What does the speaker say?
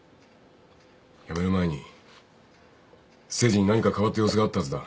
辞める前に誠治に何か変わった様子があったはずだ。